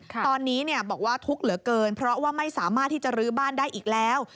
ตอนนี้บอกว่าทุกข์เหลือเกินเพราะว่าไม่สามารถที่จะรื้อบ้านได้อีกแล้ว